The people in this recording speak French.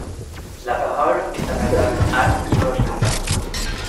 La parole est à Madame Anne-Yvonne Le Dain.